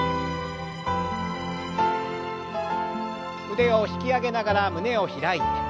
腕を引き上げながら胸を開いて。